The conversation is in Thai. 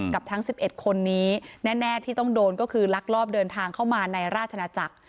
กับทั้ง๑๑คนนี้แน่ที่ต้องโดนก็คือลักลอบเดินทางเข้ามาในราชนาจักร